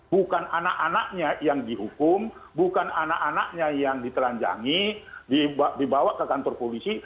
bukan anak anaknya yang dihukum bukan anak anaknya yang ditelanjangi dibawa ke kantor polisi